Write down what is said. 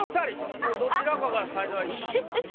もうどちらかが才能アリ１位。